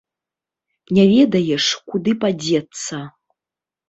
Не ведаеш, куды падзецца.